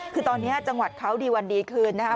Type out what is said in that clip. คือตอนนี้จังหวัดเขาดีวันดีคืนนะคะ